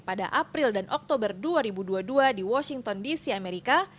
pada april dan oktober dua ribu dua puluh dua di washington dc amerika